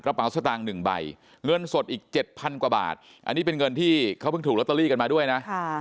กระเป๋าสตางค์๑ใบเงินสดอีก๗๐๐กว่าบาทอันนี้เป็นเงินที่เขาเพิ่งถูกลอตเตอรี่กันมาด้วยนะ